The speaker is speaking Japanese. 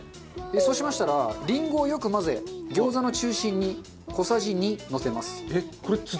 そうしましたらリンゴをよく混ぜ餃子の中心に小さじ２のせます。